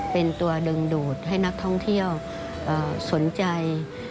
เป็นตัวดึงดูดให้นักท่องเที่ยวสนใจ